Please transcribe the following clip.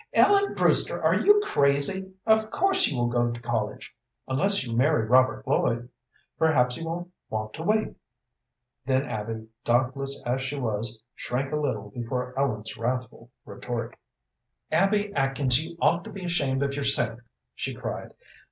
"Ellen Brewster, are you crazy? Of course, you will go to college unless you marry Robert Lloyd. Perhaps he won't want to wait." Then Abby, dauntless as she was, shrank a little before Ellen's wrathful retort. "Abby Atkins, you ought to be ashamed of yourself!" she cried.